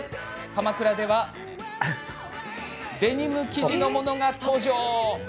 鎌倉ではデニム生地のものが登場。